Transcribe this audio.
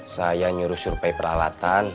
saya nyuruh survei peralatan